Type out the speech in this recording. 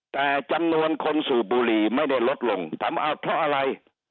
แต่จำนวนคนสูบบุหรี่ไม่ได้ลดลงถามเอาเพราะอะไร